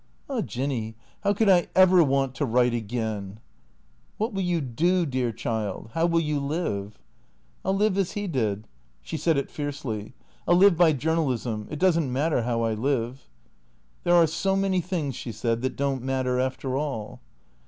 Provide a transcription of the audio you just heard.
Ah, Jinny, how could I ever want to write again ?"" What will you do, dear child ? How will you live ?"" I '11 live as he did." She said it fiercely. " I '11 live by journalism. It does n't matter how I live." " There are so many things," she said, " that don't matter, after all."